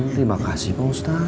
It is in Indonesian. terima kasih pak ustadz